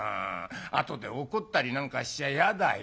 後で怒ったりなんかしちゃ嫌だよ」。